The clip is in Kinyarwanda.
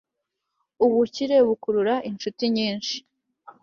ubukire bukurura incuti nyinshi